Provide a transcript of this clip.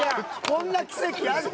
こんな奇跡ある？